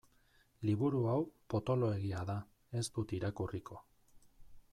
Liburu hau potoloegia da, ez dut irakurriko.